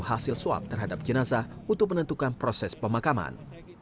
hasil swab terhadap jenazah untuk menentukan proses pemakaman